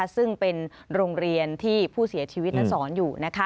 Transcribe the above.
ซึ่งเป็นโรงเรียนที่ผู้เสียชีวิตนั้นสอนอยู่